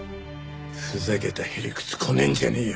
ふざけたへりくつこねんじゃねえよ！